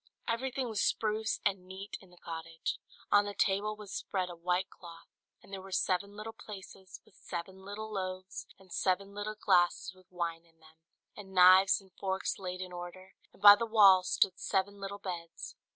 Everything was spruce and neat in the cottage: on the table was spread a white cloth, and there were seven little plates with seven little loaves and seven little glasses with wine in them; and knives and forks laid in order, and by the wall stood seven little beds.